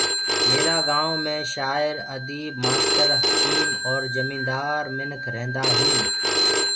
ميرآ گايونٚ مي شآير اديب مآستر حڪيم اور جيهندار منک رهيندآ هينٚ